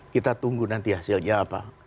kita tunggu nanti hasilnya apa